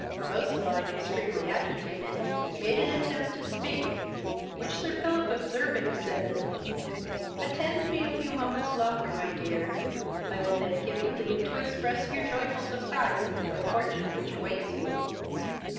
Roseline, extremely agitated, made an attempt to speak, which Sir Philip observing, said, "Attend to me a few moments longer, my dear; I will then give you leave to express your joyful surprise at the good fortune which awaits you.